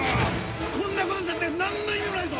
こんなことしたって何の意味もないぞ！